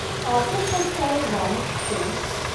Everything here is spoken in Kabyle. Ɣef wacḥal ssaɛa i tebɣam ad teččem?